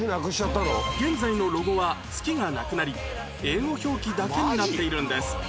現在のロゴは月がなくなり英語表記だけになっているんです